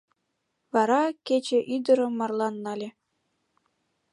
Вара кече ӱдырым марлан нале.